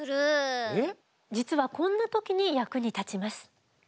実はこんな時に役に立ちます。